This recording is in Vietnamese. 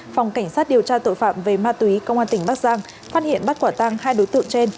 phòng cảnh sát điều tra tội phạm về ma túy công an tỉnh bắc giang phát hiện bắt quả tăng hai đối tượng trên